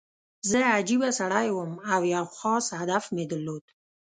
زه عجیبه سړی وم او یو خاص هدف مې نه درلود